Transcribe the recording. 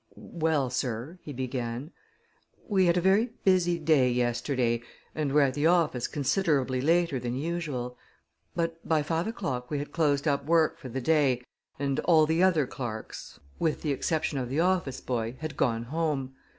"Well, sir," he began, "we had a very busy day yesterday, and were at the office considerably later than usual; but by five o'clock we had closed up work for the day, and all the other clerks, with the exception of the office boy, had gone home.